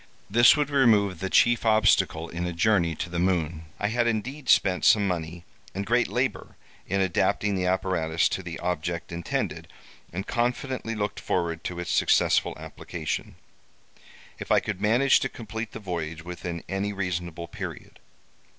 This would remove the chief obstacle in a journey to the moon. I had indeed spent some money and great labor in adapting the apparatus to the object intended, and confidently looked forward to its successful application, if I could manage to complete the voyage within any reasonable period.